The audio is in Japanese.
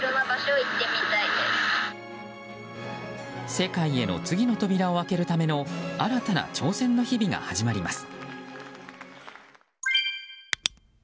世界への次の扉を開けるための新たな挑戦の日々が始まります。